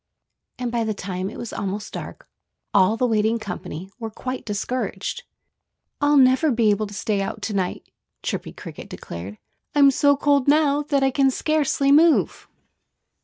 And by the time it was almost dark all the waiting company were quite discouraged. "I'll never be able to stay out to night!" Chirpy Cricket declared. "I'm so cold now that I can scarcely move."